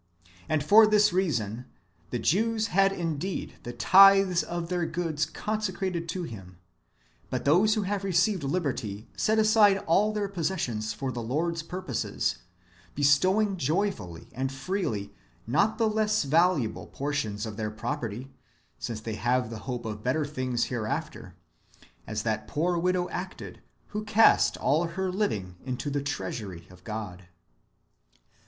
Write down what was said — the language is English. And for this reason they (the Jews) had indeed the tithes of their goods consecrated to Him, but those who have received liberty set aside all their possessions for the Lord's purposes, bestowing joyfully and freely not the less valuable portions of their property, since they have the hope of better things [hereafter] ; as that poor widow acted who cast all her living into the treasury of God.